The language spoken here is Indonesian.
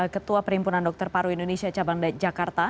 ketua perimpunan dokter paru indonesia cabang jakarta